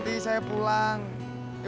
bu mungkin sudah berhasil pergi